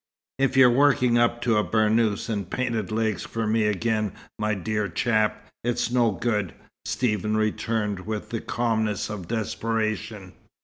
"If you're working up to a burnous and painted legs for me again, my dear chap, it's no good," Stephen returned with the calmness of desperation.